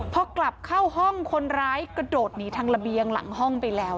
พอกลับเข้าห้องคนร้ายกระโดดหนีทางระเบียงหลังห้องไปแล้ว